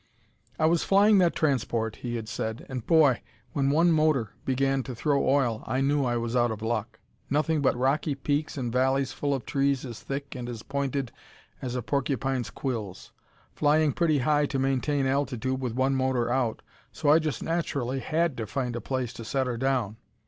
"I was flying that transport," he had said, "and, boy! when one motor began to throw oil I knew I was out of luck. Nothing but rocky peaks and valleys full of trees as thick and as pointed as a porcupine's quills. Flying pretty high to maintain altitude with one motor out, so I just naturally had to find a place to set her down.